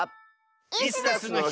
「イスダスのひ」